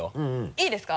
いいですか？